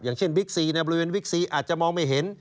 อย่างเช่นวิทย์๔อาจจะมองไม่เห็น